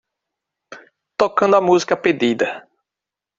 Tocando a música pedida.